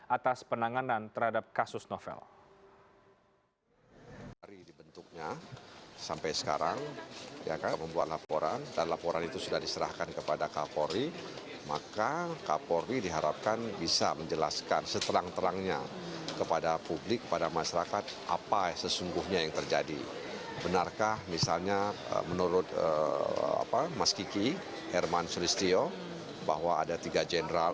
atas penanganan terhadap kasus novel